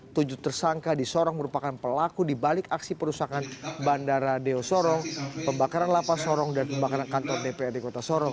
tujuh tersangka di sorong merupakan pelaku dibalik aksi perusahaan bandara deo sorong pembakaran lapas sorong dan pembakaran kantor dprd kota sorong